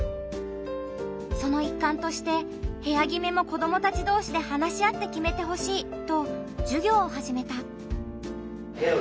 その一環として部屋決めも子どもたち同士で話し合って決めてほしいと授業を始めた。